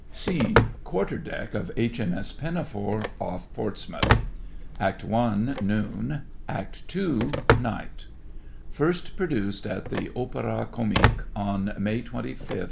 Scene: QUARTER DECK OF H.M.S. PINAFORE, OFF PORTSMOUTH ACT I.—Noon. ACT II.—Night First produced at the Opera Comique on May 25, 1878.